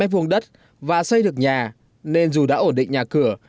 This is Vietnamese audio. mua ba trăm linh mét vuông đất và xây được nhà nên dù đã ổn định nhà cửa